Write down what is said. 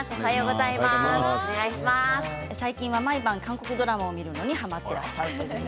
最近は毎晩韓国ドラマを見るのにはまっていらっしゃるということで。